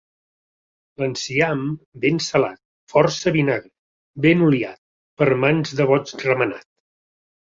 L'enciam, ben salat, força vinagre, ben oliat, per mans de boigs remenat.